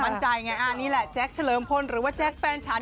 มันใจไงนี่แหละเจฟเชลิมพลเจฟแฟนฉัน